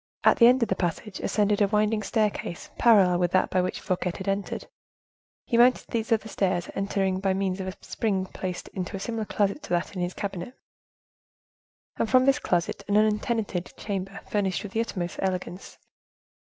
At the end of the passage ascended a winding staircase parallel with that by which Fouquet had entered. He mounted these other stairs, entered by means of a spring placed in a closet similar to that in his cabinet, and from this closet an untenanted chamber furnished with the utmost elegance.